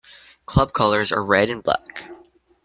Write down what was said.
Club colours are red and black.